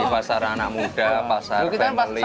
pasar anak muda pasar family